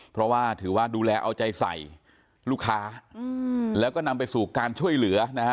เพราะว่าถือว่าดูแลเอาใจใส่ลูกค้าแล้วก็นำไปสู่การช่วยเหลือนะฮะ